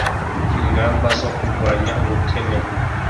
ingamba zo kurwanya ubukene